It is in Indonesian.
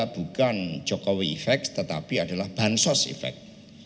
bukan jokowi efek tetapi adalah bansos efek